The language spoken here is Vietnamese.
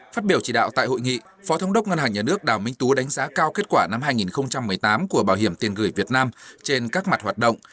phát biểu chỉ đạo tại hội nghị phó thống đốc ngân hàng nhà nước đào minh tú đánh giá cao kết quả năm hai nghìn một mươi tám của bảo hiểm tiền gửi việt nam trên các mặt hoạt động